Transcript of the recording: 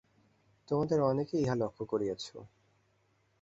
তোমরা অনেকেই ইহা লক্ষ্য করিয়াছ।